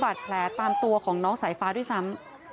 บอกว่าเคยเห็นบาดแผลตามตัวของน้องสายฟ้าด้วยซ้ำ